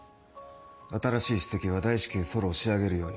新しい首席は大至急ソロを仕上げるように。